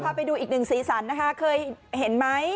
ไปดูอีกหนึ่งสีสันนะคะเคยเห็นไหม